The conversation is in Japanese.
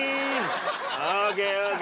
ＯＫＯＫ。